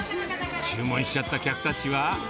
注文しちゃった客たちは。